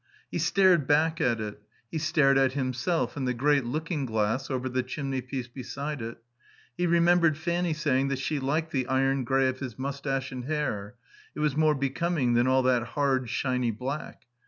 He stared back at it; he stared at himself in the great looking glass over the chimneypiece beside it. He remembered Fanny saying that she liked the iron grey of his moustache and hair; it was more becoming than all that hard, shiny black.